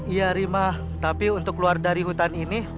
iya rima tapi untuk keluar dari hutan ini